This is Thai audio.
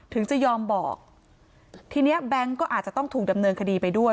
ถึงจะยอมบอกทีเนี้ยแบงค์ก็อาจจะต้องถูกดำเนินคดีไปด้วย